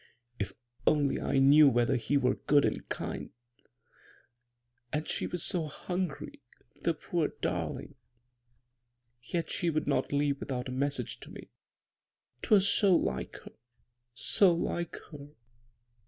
" If only I knew whether he were good and kind 1 ... And she was so hungry — ^the poor darting f yet she would not leave without a message to me 'Twas so like her — so like her